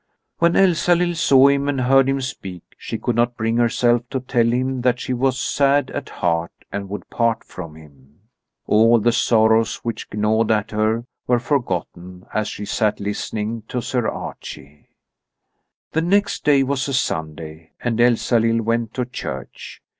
When Elsalill saw him and heard him speak she could not bring herself to tell him that she was sad at heart and would part from him. All the sorrows which gnawed at her were forgotten as she sat listening to Sir Archie. The next day was a Sunday, and Elsalill went to church.